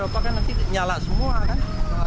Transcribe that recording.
iya kalau jatuh ada kebakaran